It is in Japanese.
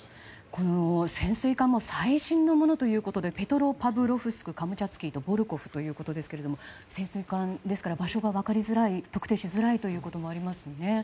この潜水艦も最新のものということで「ペトロパブロフスク・カムチャツキー」と「ボルコフ」ということですが潜水艦ですから場所が分かりづらい特定しづらいということもありますよね。